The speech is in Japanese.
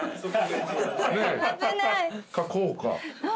かこうか。